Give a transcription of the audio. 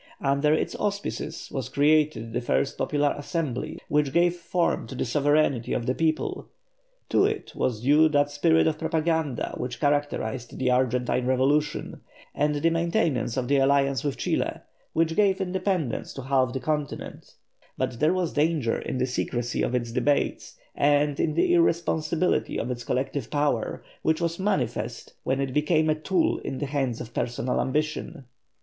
Under its auspices was created the first popular Assembly which gave form to the sovereignty of the people; to it was due that spirit of propaganda which characterized the Argentine revolution, and the maintenance of the alliance with Chile, which gave independence to half the continent; but there was danger in the secrecy of its debates, and in the irresponsibility of its collective power, which was manifest when it became a tool in the hands of personal ambition.